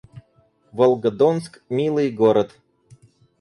Волгодонск — милый город